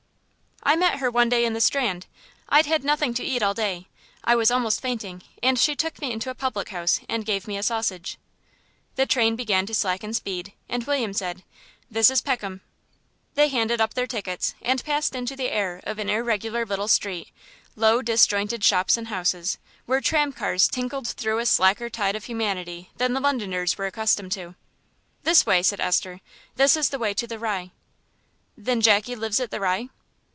"I met her one day in the Strand. I'd had nothing to eat all day. I was almost fainting, and she took me into a public house and gave me a sausage." The train began to slacken speed, and William said, "This is Peckham." They handed up their tickets, and passed into the air of an irregular little street low disjointed shops and houses, where the tramcars tinkled through a slacker tide of humanity than the Londoners were accustomed to. "This way," said Esther. "This is the way to the Rye." "Then Jackie lives at the Rye?"